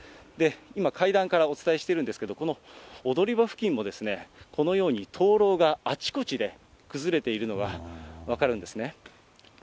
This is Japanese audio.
今、階段からお伝えしているんですけど、この踊り場付近も、このように、灯籠があちこちで崩れているのが分かるんですね。